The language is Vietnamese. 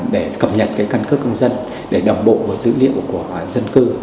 để cập nhật căn cước công dân để đồng bộ dữ liệu của dân cư